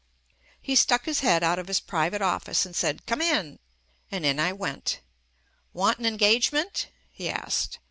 He stuck his head out of his private office and said, "Come in." And in I went. "Want an engagement?" he asked.